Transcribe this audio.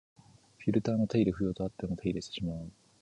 フィルターの手入れ不要とあっても手入れしてしまう